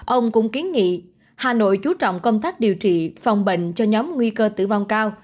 ông cũng kiến nghị hà nội chú trọng công tác điều trị phòng bệnh cho nhóm nguy cơ tử vong cao